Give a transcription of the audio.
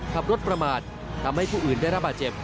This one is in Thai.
ขับรถประมาททำให้ผู้อื่นได้รับบาดเจ็บ